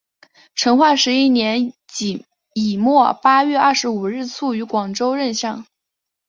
成化十一年乙未八月二十五日卒于广州任上。